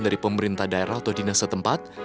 dari pemerintah daerah atau dinas setempat